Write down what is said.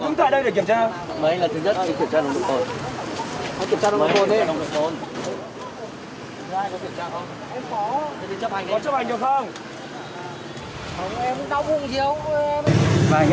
không chống đối đứng yên chăm anh đi